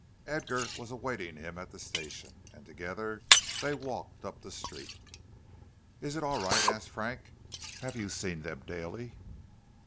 Edgar was awaiting him at the station, and together they walked up the street. "Is it all right?" asked Frank. "Have you seen them daily?"